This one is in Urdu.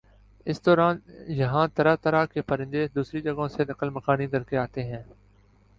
اس دوران یہاں طرح طرح کے پرندے دوسری جگہوں سے نقل مکانی کرکے آتے ہیں